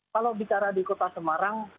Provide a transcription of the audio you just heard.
kalau bicara di kota semarang